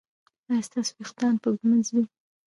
ایا ستاسو ویښتان به ږمنځ وي؟